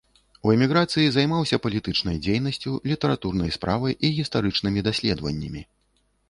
У эміграцыі займаўся палітычнай дзейнасцю, літаратурнай справай і гістарычнымі даследаваннямі.